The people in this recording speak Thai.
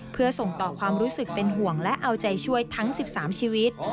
เพื่อส่งต่อความรู้สึกเป็นห่วงและเอาใจช่วยทั้ง๑๓ชีวิต